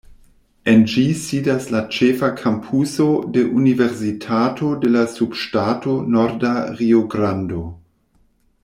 En ĝi sidas la ĉefa kampuso de Universitato de la Subŝtato Norda Rio-Grando.